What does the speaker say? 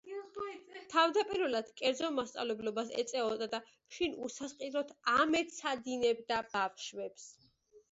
თავდაპირველად კერძო მასწავლებლობას ეწეოდა და შინ უსასყიდლოდ ამეცადინებდა ბავშვებს.